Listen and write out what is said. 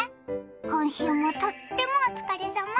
今週も、とってもお疲れさま。